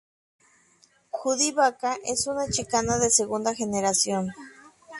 Judy Baca es un chicana de segunda generación.